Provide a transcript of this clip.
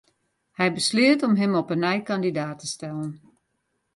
Hy besleat om him op 'e nij kandidaat te stellen.